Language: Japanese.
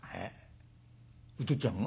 おとっつぁんが？